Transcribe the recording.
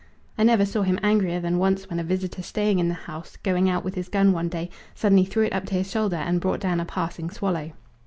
I never saw him angrier than once when a visitor staying in the house, going out with his gun one day suddenly threw it up to his shoulder and brought down a passing swallow.